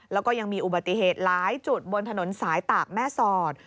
แล้วก็ยังมีอุบัติเหตุหลายจุดบนถนนสายตากแม่สอด